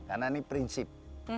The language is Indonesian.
karena ini prinsip